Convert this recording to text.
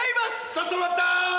ちょっと待ったー！